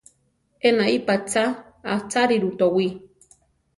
Enaí patzá acháriru towí.